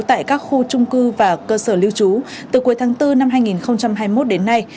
tại các khu trung cư và cơ sở lưu trú từ cuối tháng bốn năm hai nghìn hai mươi một đến nay